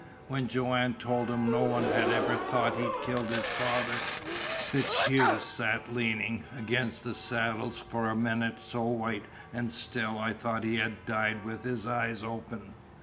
When Joanne told him no one had ever thought he'd killed his father, FitzHugh sat leanin' against the saddles for a minit so white an' still I thought he 'ad died with his eyes open.